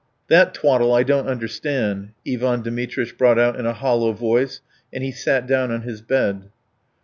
"That twaddle I don't understand. .." Ivan Dmitritch brought out in a hollow voice, and he sat down on his bed.